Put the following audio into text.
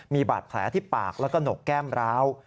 มีบาดแผลที่ปากแล้วก็หนกแก้มร้าว